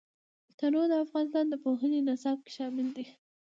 تنوع د افغانستان د پوهنې نصاب کې شامل دي.